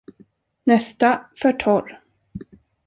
Nästa, för torr.